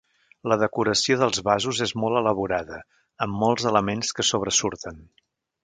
La decoració dels vasos és molt elaborada, amb molts elements que sobresurten.